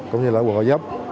cũng như là quận hòa giáp